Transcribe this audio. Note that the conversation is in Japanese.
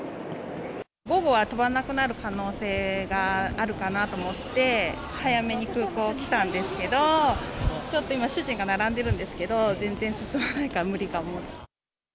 午後は飛ばなくなる可能性があるかなと思って、早めに空港来たんですけど、ちょっと今、主人が並んでるんですけど、全然進まないから無理かも。